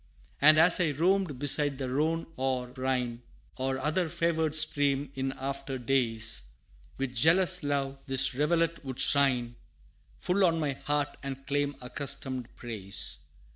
And as I roamed beside the Rhone or Rhine, Or other favored stream, in after days, With jealous love, this rivulet would shine, Full on my heart, and claim accustomed praise.